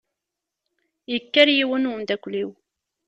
Yekker yiwen n umdakel-iw.